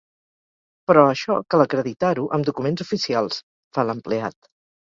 Però això cal acreditar-ho amb documents oficials —fa l'empleat—.